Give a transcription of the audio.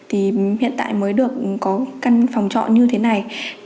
thì hiện tại mới được có căn phòng trọ như thế này